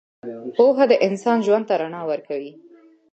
پوهه د انسان ژوند ته رڼا ورکوي.